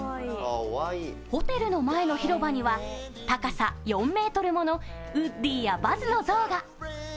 ホテルの前の広場には、高さ４ｍものウッディやバズの像が。